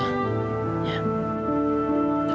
aku beresin sebentar ya